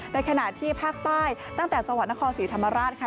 ในขณะที่ภาคใต้ตั้งแต่จนครศรีธรรมราช